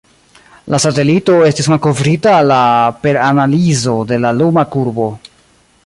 La satelito estis malkovrita la per analizo de la luma kurbo.